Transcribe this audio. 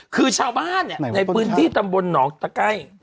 คือชาวบ้านในพื้นที่ตำบลหนองตะไก้